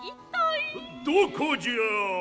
どこじゃ？